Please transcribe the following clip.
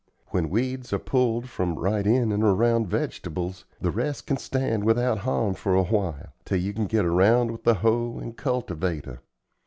When weeds are pulled from right in and around vegetables, the rest can stand without harm for a while, till you can get around with the hoe and cultivator.